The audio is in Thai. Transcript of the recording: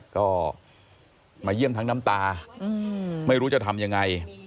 ก็มาเยี่ยมทั้งน้ำตาไม่รู้จะทำยังไง